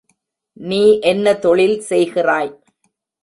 நீ என்ன தொழில் செய்கிறாய்?